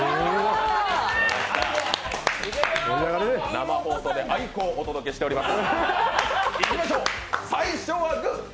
生放送であいこをお届けしております。